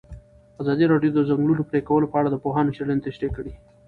ازادي راډیو د د ځنګلونو پرېکول په اړه د پوهانو څېړنې تشریح کړې.